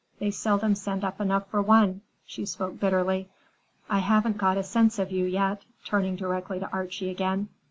They seldom send up enough for one,"—she spoke bitterly. "I haven't got a sense of you yet,"—turning directly to Archie again.